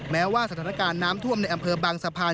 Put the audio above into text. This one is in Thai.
แม้ว่าสถานการณ์น้ำท่วมในอำเภอบางสะพาน